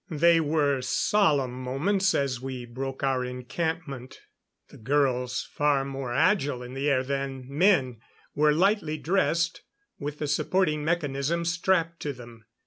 They were solemn moments as we broke our encampment. The girls, far more agile in the air than men, were lightly dressed, with the supporting mechanism strapped to them.